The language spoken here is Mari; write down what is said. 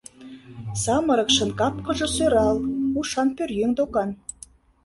Самырыкшын кап-кылже сӧрал, ушан пӧръеҥ докан.